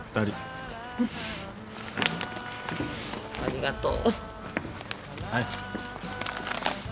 ありがとう。